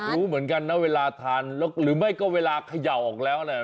อยากรู้เหมือนกันนะเวลาทานหรือไม่ก็เวลาเขย่าออกแล้ว